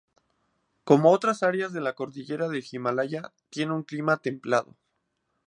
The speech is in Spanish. Como otras áreas de la cordillera del Himalaya, tiene un clima templado.